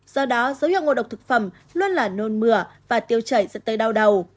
do đó dấu hiệu ngộ độc thực phẩm luôn là nôn mửa và tiêu chảy dẫn tới đau đầu